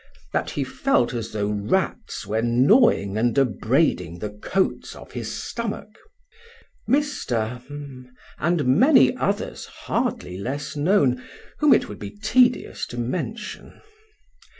"that he felt as though rats were gnawing and abrading the coats of his stomach"), Mr. ——, and many others hardly less known, whom it would be tedious to mention.